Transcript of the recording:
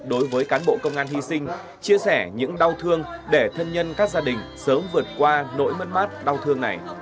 đối với cán bộ công an hy sinh chia sẻ những đau thương để thân nhân các gia đình sớm vượt qua nỗi mất mát đau thương này